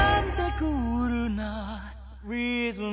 クールなリズム」